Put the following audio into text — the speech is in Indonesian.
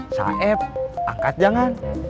saeb angkat jangan